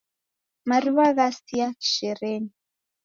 Mariw'a ghasia kisherenyi.